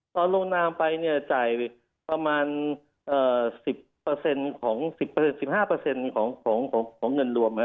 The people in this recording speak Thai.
ตอนลงนามไปจ่ายประมาณ๑๐๑๕ของเงินรวมครับ